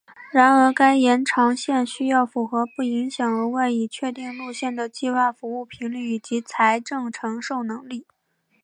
然而该延长线需要符合不影响额外已确定路线的计划服务频率以及财政承受能力。